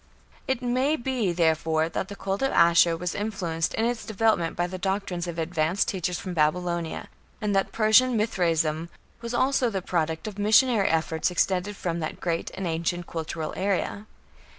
It may be, therefore, that the cult of Ashur was influenced in its development by the doctrines of advanced teachers from Babylonia, and that Persian Mithraism was also the product of missionary efforts extended from that great and ancient cultural area.